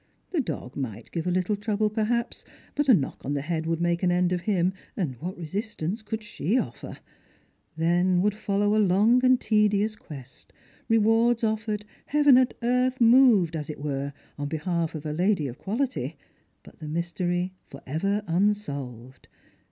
The dog might give a little trouble, perhaps, but a knock on the head would make an end of him, and what resistance could site ofler ? Then would follow along and tedious quest; rewards offered, heaven and earth moved, as it were, on behalf of a lady of quality, but the mystery for ever unsolved.